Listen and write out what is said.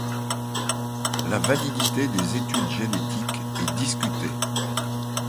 La validité des études génétiques est discutée.